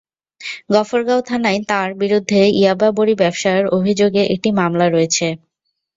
গফরগাঁও থানায় তাঁর বিরুদ্ধে ইয়াবা বড়ি ব্যবসার অভিযোগে একটি মামলা রয়েছে।